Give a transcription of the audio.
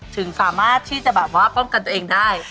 ถึงสามารถที่จะแบบว่าป้องกันตัวเองได้